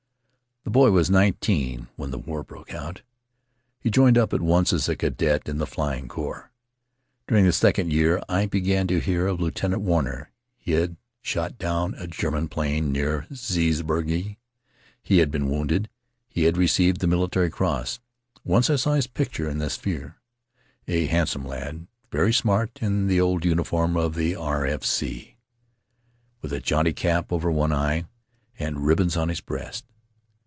"The boy was nineteen when the war broke out; he joined up at once as a cadet in the Flying Corps. Dur ing the second year I began to hear of Lieutenant Warner — he had shot down a German plane near Zeebrugge; he had been wounded; he had received the Military cross. Once I saw his picture in the Spkere — a handsome lad, very smart in the old uniform His Mother's People of the R. F. C, with a jaunty cap over one eye and ribbons on his breast.